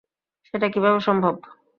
সেটা কীভাবে সম্ভব?